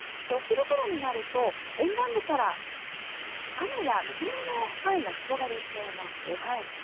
お昼ごろになると沿岸部から雨やみぞれの範囲が広がりそうなんです。